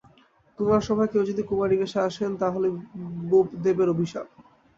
কুমারসভায় কেউ যদি কুমারীবেশে আসেন তা হলে বোপদেবের অভিশাপ।